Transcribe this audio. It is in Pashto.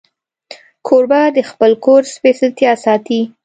کوربه د خپل کور سپېڅلتیا ساتي.